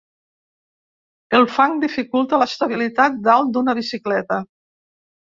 El fang dificulta l'estabilitat dalt d'una bicicleta.